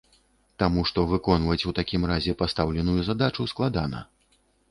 Таму што выконваць у такім разе пастаўленую задачу складана.